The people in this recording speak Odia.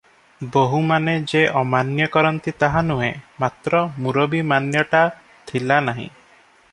ବୋହୂମାନେ ଯେ ଅମାନ୍ୟ କରନ୍ତି ତାହା ନୁହେଁ, ମାତ୍ର ମୁରବୀ ମାନ୍ୟଟା ଥିଲା ନାହିଁ ।